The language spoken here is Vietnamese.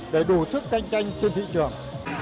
để đủ sức cạnh tranh trên thị trường